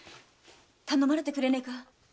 頼まれてくれねえか？